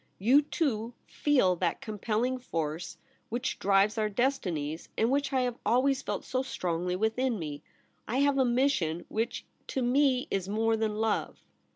You, too, feel that compelling force which drives our destinies, and which I have always felt so strongly within me. I have a mission which to me is more than love.'